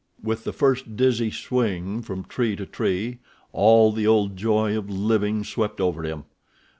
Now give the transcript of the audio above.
With the first dizzy swing from tree to tree all the old joy of living swept over him.